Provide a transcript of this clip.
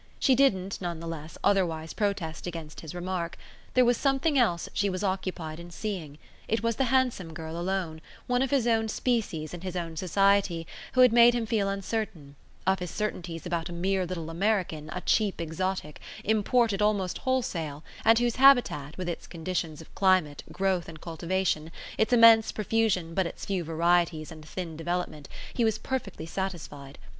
She didn't, none the less, otherwise protest against his remark; there was something else she was occupied in seeing. It was the handsome girl alone, one of his own species and his own society, who had made him feel uncertain; of his certainties about a mere little American, a cheap exotic, imported almost wholesale and whose habitat, with its conditions of climate, growth and cultivation, its immense profusion but its few varieties and thin development, he was perfectly satisfied.